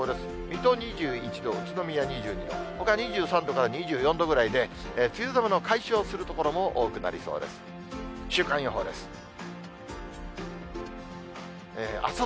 水戸２１度、宇都宮２２度、ほか２３度から２４度ぐらいで、梅雨寒の解消する所も多くなりそうです。